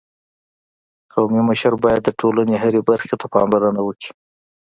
قومي مشر باید د ټولني هري برخي ته پاملرنه وکړي.